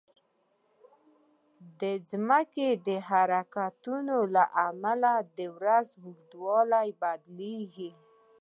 د ځمکې د حرکت له امله د ورځې اوږدوالی بدلېږي.